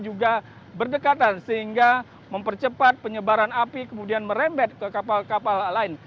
juga berdekatan sehingga mempercepat penyebaran api kemudian merembet ke kapal kapal lain